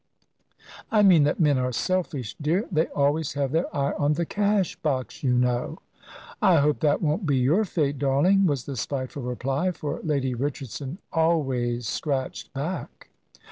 "I mean that men are selfish, dear. They always have their eye on the cash box, you know." "I hope that won't be your fate, darling," was the spiteful reply, for Lady Richardson always scratched back.